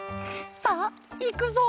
さあいくぞ」。